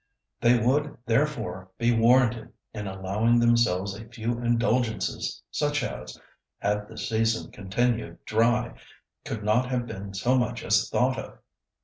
They would therefore be warranted in allowing themselves a few indulgences such as, had the season continued dry, could not have been so much as thought of.